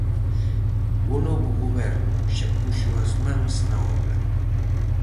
O novo goberno xa puxo as mans na obra.